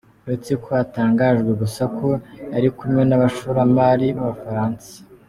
Uretse ko hatangajwe gusa ko yari kumwe n’abashoramari b’abafaransa.